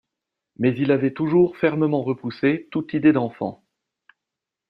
Mais il avait toujours fermement repoussé toute idée d’enfant.